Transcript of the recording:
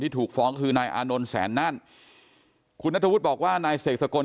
ถูกฟ้องคือนายอานนท์แสนนั่นคุณนัทธวุฒิบอกว่านายเสกสกล